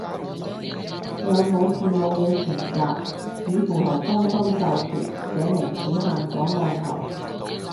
有冇字幕嘅全集，似乎係官方授權，寫明只限港澳台